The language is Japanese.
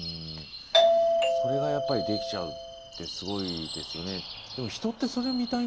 それがやっぱりできちゃうってすごいですよね。